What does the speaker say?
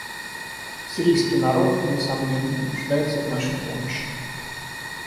Сирийский народ, несомненно, нуждается в нашей помощи.